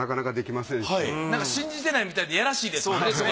なんか信じてないみたいでやらしいですもんね